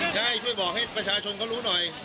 ใช่ช่วยบอกให้ประชาชนเขารู้หน่อย